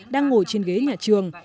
đang ngồi trên ghế nhà trường